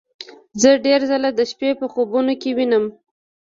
زه ډیر ځله د شپې په خوبونو کې وینم